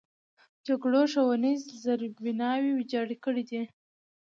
جګړو ښوونیز زیربناوې ویجاړې کړي دي.